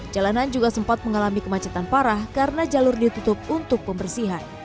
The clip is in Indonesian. jalanan juga sempat mengalami kemacetan parah karena jalur ditutup untuk pembersihan